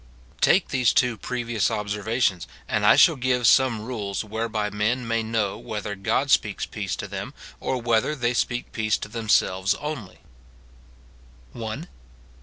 Take these two previous observations, and I shall give some rules whereby men may know whether God speaks peace to them, or whether they speak peace to them selves only :— 1.